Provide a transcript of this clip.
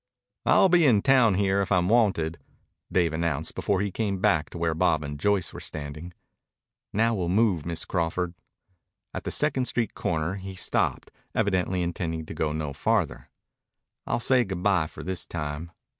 "I'll be in town here if I'm wanted," Dave announced before he came back to where Bob and Joyce were standing. "Now we'll move, Miss Crawford." At the second street corner he stopped, evidently intending to go no farther. "I'll say good bye, for this time.